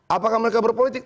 apakah mereka berpolitik